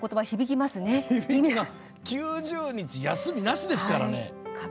今、９０日休みなしですからね。